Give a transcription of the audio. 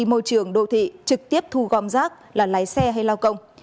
môi trường đô thị trực tiếp thu gom rác là lái xe hay lao công